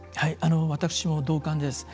私も同感です。